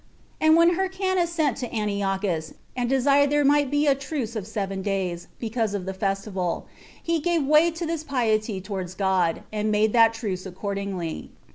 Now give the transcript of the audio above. And when Hyrcanus sent to Antiochus, and desired there might be a truce for seven days, because of the festival, he gave way to this piety towards God, and made that truce accordingly.